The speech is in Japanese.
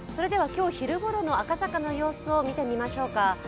今日昼ごろの赤坂の様子を見てみましょうか。